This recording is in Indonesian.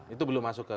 itu belum masuk ke